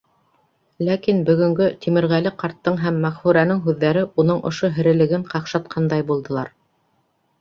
Ләкин бөгөнгө Тимерғәле ҡарттың һәм Мәғфүрәнең һүҙҙәре уның ошо һерелеген ҡаҡшатҡандай булдылар.